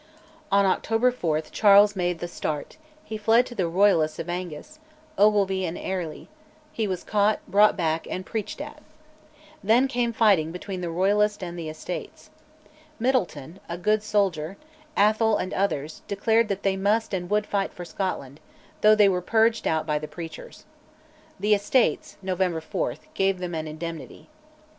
On October 4 Charles made "the Start"; he fled to the Royalists of Angus, Ogilvy and Airlie: he was caught, brought back, and preached at. Then came fighting between the Royalists and the Estates. Middleton, a good soldier, Atholl, and others, declared that they must and would fight for Scotland, though they were purged out by the preachers. The Estates (November 4) gave them an indemnity.